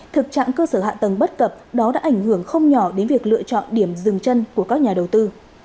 thực trạng cơ sở hạ tầng bất cập đó đã ảnh hưởng không nhỏ đến việc lựa chọn điểm dừng chân của các nhà đầu tư